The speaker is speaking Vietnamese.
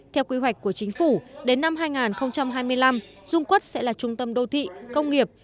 theo quy hoạch của chính phủ đến năm hai nghìn hai mươi năm dung quốc sẽ là trung tâm đô thị công nghiệp